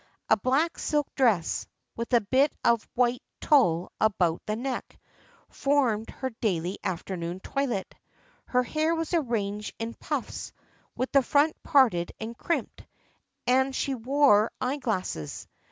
A black silk dress, with a bit of white tulle about the neck, formed her daily afternoon toilet. Her hair was arranged in puffs, with the front parted and crimped, and she wore eye glasses.